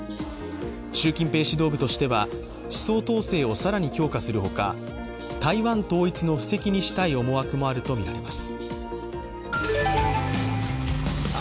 習近平指導部としては思想統制を更に強化するほか台湾統一の布石にしたい思惑もあるとみられます。